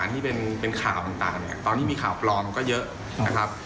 ตอนนี้มีข่าวปลอมก็เยอะนะครับ